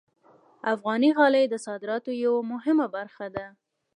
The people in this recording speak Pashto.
افغاني غالۍ د صادراتو یوه مهمه برخه ده.